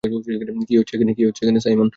কী হচ্ছে এখানে, সাইমন?